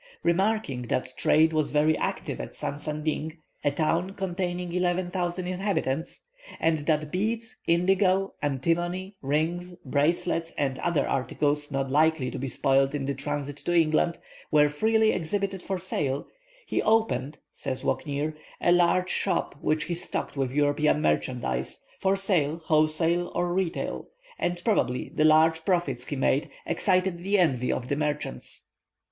Remarking that trade was very active at Sansanding, a town containing eleven thousand inhabitants, and that beads, indigo, antimony, rings, bracelets, and other articles not likely to be spoiled in the transit to England, were freely exhibited for sale, "he opened," says Walcknaer, "a large shop, which he stocked with European merchandise, for sale wholesale and retail; and probably the large profits he made excited the envy of the merchants.